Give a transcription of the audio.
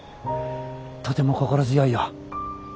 とても心強いよ。